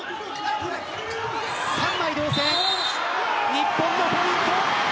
日本のポイント。